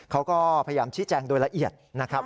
เขาก็พยายามชี้แจงโดยละเอียดนะครับ